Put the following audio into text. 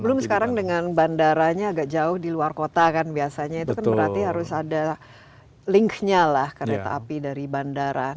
belum sekarang dengan bandaranya agak jauh di luar kota kan biasanya itu kan berarti harus ada linknya lah kereta api dari bandara